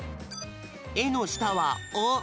「え」のしたは「お」。